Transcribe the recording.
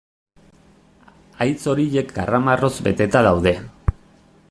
Haitz horiek karramarroz beteta daude.